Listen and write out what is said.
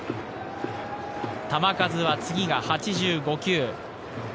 球数は次が８５球。